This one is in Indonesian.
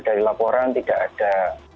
dari laporan tidak ada